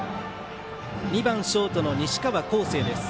２番ショートの西川晃成です。